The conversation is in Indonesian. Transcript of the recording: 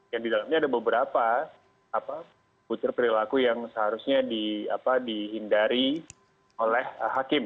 yang di dalamnya ada beberapa putar perilaku yang seharusnya dihindari oleh hakim